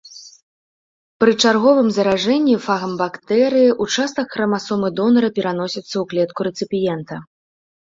Пры чарговым заражэнні фагам бактэрыі ўчастак храмасомы донара пераносіцца ў клетку рэцыпіента.